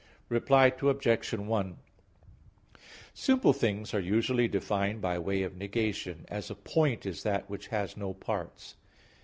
Reply Obj. 1: Simple things are usually defined by way of negation; as "a point is that which has no parts."